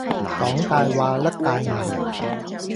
講大話，甩大牙